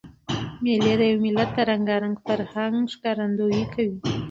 مېلې د یو ملت د رنګارنګ فرهنګ ښکارندویي کوي.